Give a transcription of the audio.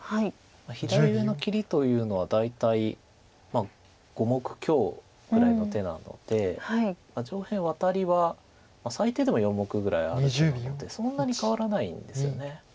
左上の切りというのは大体５目強ぐらいの手なので上辺ワタリは最低でも４目ぐらいあるとこなのでそんなに変わらないんですよね。